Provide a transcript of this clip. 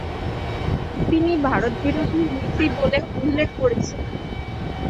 তিনি "ভারত বিরোধী নীতি" বলে উল্লেখ করেছিলেন।